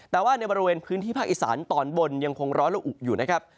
แต่ว่าในบริเวณพื้นที่ภาคอีสานตอนบนยังคงร้อนและอุอยู่นะครับ